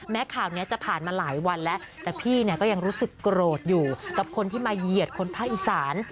ข่าวนี้จะผ่านมาหลายวันแล้วแต่พี่เนี่ยก็ยังรู้สึกโกรธอยู่กับคนที่มาเหยียดคนภาคอีสาน